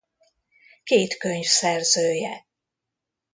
Két könyv szerzője.